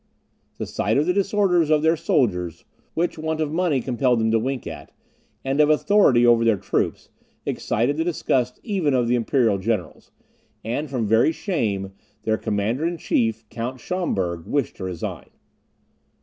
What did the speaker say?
The sight of the disorders of their soldiers, which want of money compelled them to wink at, and of authority over their troops, excited the disgust even of the imperial generals; and, from very shame, their commander in chief, Count Schaumburg, wished to resign.